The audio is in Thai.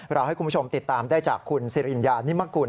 ให้คุณผู้ชมติดตามได้จากคุณสิริญญานิมกุล